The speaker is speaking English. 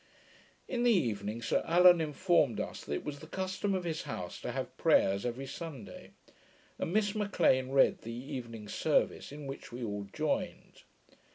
In the evening, Sir Allan informed us that it was the custom of his house to have prayers every Sunday; and Miss M'Lean read the evening service, in which we all joined.